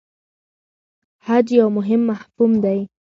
خج یو مهم مفهوم دی.